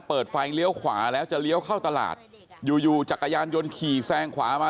เปิดไฟเลี้ยวขวาแล้วจะเลี้ยวเข้าตลาดอยู่อยู่จักรยานยนต์ขี่แซงขวามา